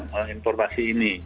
tentang informasi ini